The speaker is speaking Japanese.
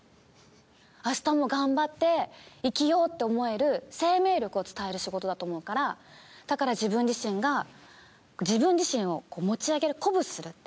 あしたも頑張って生きようって思える生命力を伝える仕事だと思うからだから自分自身が自分自身を持ち上げる鼓舞するって。